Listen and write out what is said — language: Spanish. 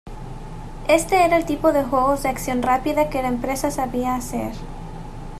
Este era el tipo de juegos de acción rápida que la empresa sabía hacer.